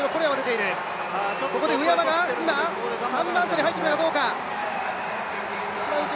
ここで上山が今、３番手に入ってくるかどうか。